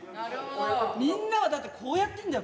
みんなはだって、こうやってるんだよ。